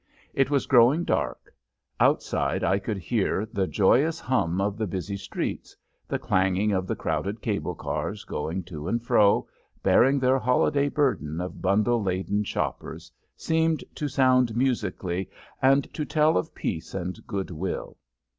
It was growing dark. Outside I could hear the joyous hum of the busy streets; the clanging of the crowded cable cars, going to and fro, bearing their holiday burden of bundle laden shoppers, seemed to sound musically and to tell of peace and good will.